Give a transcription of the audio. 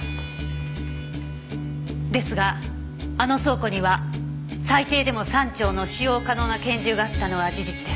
ですがあの倉庫には最低でも３丁の使用可能な拳銃があったのは事実です。